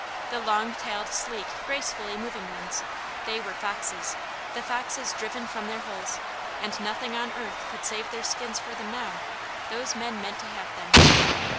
The long tailed, sleek, gracefully moving ones, they were foxes, the foxes driven from their holes, and nothing on earth could save their skins for them now; those men meant to have them.